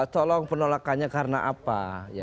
tolong penolakannya karena apa